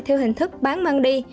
theo hình thức bán mang đi